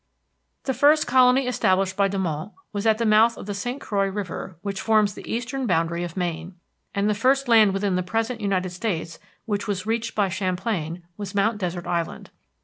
The first colony established by de Monts was at the mouth of the St. Croix River, which forms the eastern boundary of Maine, and the first land within the present United States which was reached by Champlain was Mount Desert Island.